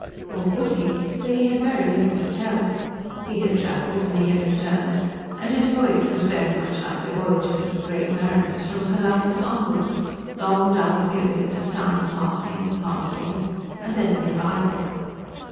Or would he? For he had very little to tell. He had traveled and he had returned and his voyage was very much like the voyages of the great mariners, from Columbus onward long, dull periods of time passing, passing, and then the arrival.